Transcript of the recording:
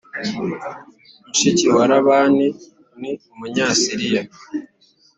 mushiki wa labani ni umunyasiriya